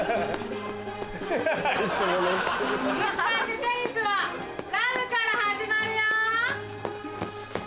いつだってテニスはラブから始まるよ！